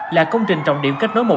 là công trình trọng điểm kết nối một